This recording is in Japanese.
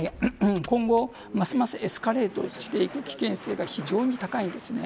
今後、ますますエスカレートしていく危険性が非常に高いんですね。